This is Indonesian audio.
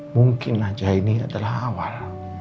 mungkin aja ini adalah awal